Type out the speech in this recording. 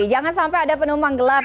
jangan sampai ada penumpang gelap